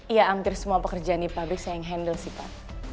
iya hampir semua pekerjaan di pabrik saya yang handle sih pak